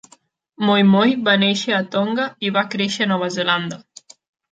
Moimoi va nàixer a Tonga i va créixer a Nova Zelanda.